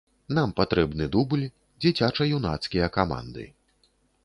Нам патрэбны дубль, дзіцяча-юнацкія каманды.